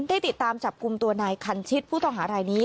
ได้ติดตามจับกลุ่มตัวนายคันชิดผู้ต้องหารายนี้